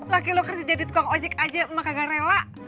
laki lo kerja jadi tukang ojek aja maka gak rela